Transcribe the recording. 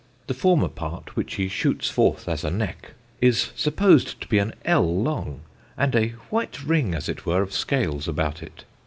The former part, which he shootes forth as a necke, is supposed to be an elle long; with a white ring, as it were, of scales about it.